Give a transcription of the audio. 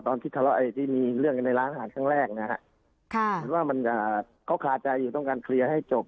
ตอนที่ทะเลาะที่มีเรื่องในร้านหาดขั้นแรกนะฮะค่ะว่ามันจะเขาขาดใจอยู่ต้องการเคลียร์ให้จบ